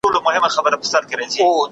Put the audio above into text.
پوهه انسان له ډیرو ستونزو ساتي.